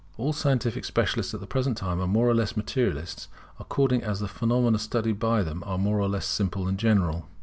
All scientific specialists at the present time are more or less materialists, according as the phenomena studied by them are more or less simple and general.